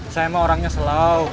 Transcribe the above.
saya mah orangnya slow